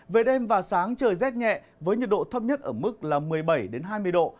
về đêm và sáng trời rét nhẹ với nhiệt độ thấp nhất ở mức một mươi bảy hai mươi độ